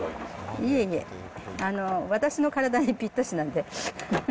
いえいえ、私の体にぴったしなんで。